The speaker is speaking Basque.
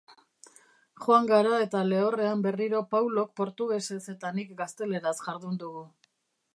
Joan gara eta lehorrean berriro Paulok portugesez eta nik gazteleraz jardun dugu.